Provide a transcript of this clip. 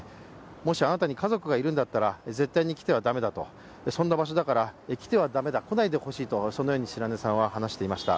もし、あなたの家族がいるんだったら絶対に来ては駄目だとそんな場所だから、来ないでほしいと、そのように白根さんは話していました。